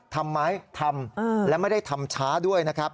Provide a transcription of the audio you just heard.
ทำไหมทำและไม่ได้ทำช้าด้วยนะครับ